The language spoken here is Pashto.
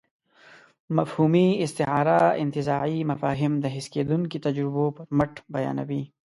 مفهومي استعاره انتزاعي مفاهيم د حس کېدونکو تجربو پر مټ بیانوي.